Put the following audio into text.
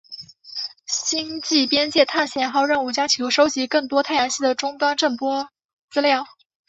星际边界探险号任务将企图收集更多太阳系的终端震波资料。